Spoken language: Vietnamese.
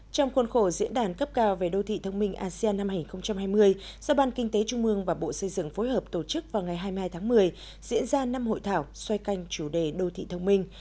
trong khuôn khổ diễn đàn cấp cao về đô thị thông minh asean năm hai nghìn hai mươi do ban kinh tế trung mương và bộ xây dựng phối hợp tổ chức vào ngày hai mươi hai tháng một mươi diễn ra năm hội thảo xoay canh chủ đề đô thị thông minh